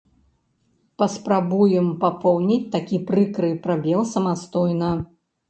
Паспрабуем папоўніць такі прыкры прабел самастойна.